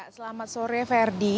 selamat sore ferdi